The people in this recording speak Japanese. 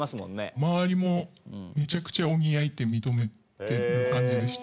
「周りもめちゃくちゃお似合いって認めてる感じでした」